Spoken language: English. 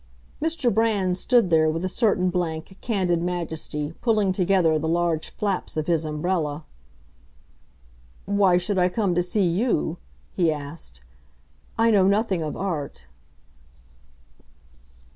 Mr. Brand stood there with a certain blank, candid majesty, pulling together the large flaps of his umbrella. "Why should I come to see you?" he asked. "I know nothing of Art."